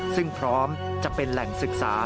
ซึ่งพร้อมจะเป็นแหล่งศึกษา